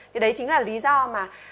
thì đấy chính là lý do mà